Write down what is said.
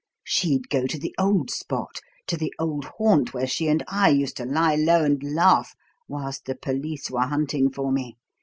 She'd go to the old spot to the old haunt where she and I used to lie low and laugh whilst the police were hunting for me.